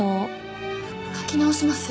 描き直します。